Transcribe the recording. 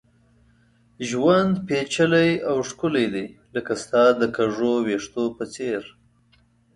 ژوند پېچلی او ښکلی دی ، لکه ستا د کږو ويښتو په څېر